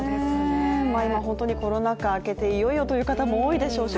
今本当にコロナ禍明けていよいよという方も多いでしょうし